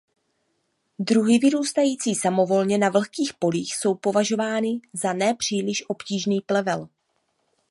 Druhy vyrůstající samovolně na vlhkých polích jsou považovány za ne příliš obtížný plevel.